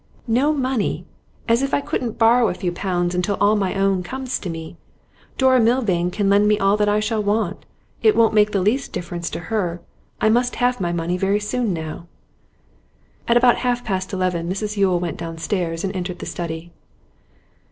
'No money? As if I couldn't borrow a few pounds until all my own comes to me! Dora Milvain can lend me all I shall want; it won't make the least difference to her. I must have my money very soon now.' At about half past eleven Mrs Yule went downstairs, and entered the study.